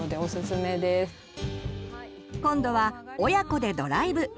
今度は親子でドライブ。